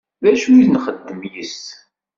D acu i nxeddem yes-s?